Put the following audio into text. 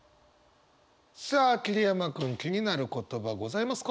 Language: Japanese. さあ桐山君気になる言葉ございますか？